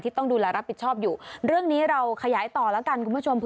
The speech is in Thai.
ต้องดูแลรับผิดชอบอยู่เรื่องนี้เราขยายต่อแล้วกันคุณผู้ชม